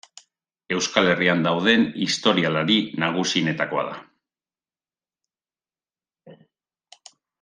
Euskal Herrian dauden historialari nagusienetakoa da.